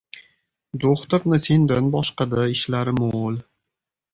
Do‘xtirni sendan boshqa- da ishlari mo‘l!